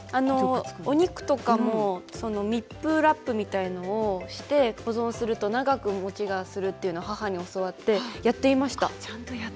お肉とかも密封ラップみたいなものをして保存すると、長く日もちがすると母に教わってやっていました。